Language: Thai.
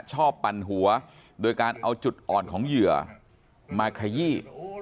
ปั่นหัวโดยการเอาจุดอ่อนของเหยื่อมาขยี้